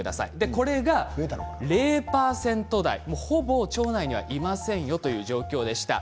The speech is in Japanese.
これが０％台ほぼ腸内にはいませんよという状況でした。